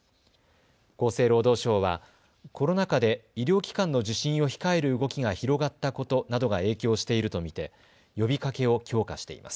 厚生労働省はコロナ禍で医療機関の受診を控える動きが広がったことなどが影響していると見て呼びかけを強化しています。